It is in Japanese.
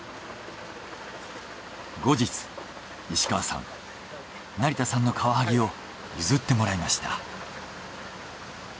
後日石川さん成田さんのカワハギを譲ってもらいました。